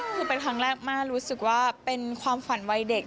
คือเป็นครั้งแรกม่ารู้สึกว่าเป็นความฝันวัยเด็ก